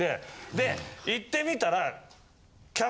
で行ってみたら。